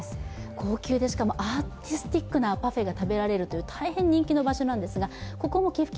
高級でしかもアーティスティックなパフェが食べられると大変人気の場所なんです。